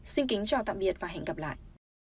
xin kính chào tạm biệt và hẹn gặp lại